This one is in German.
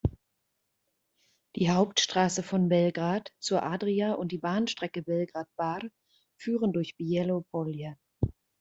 Die Hauptstraße von Belgrad zur Adria und die Bahnstrecke Belgrad–Bar führen durch Bijelo Polje.